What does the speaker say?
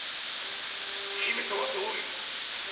姫とはどういう。